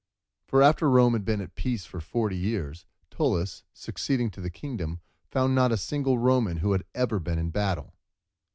For after Rome had been at peace for forty years, Tullus, succeeding to the kingdom, found not a single Roman who had ever been in battle.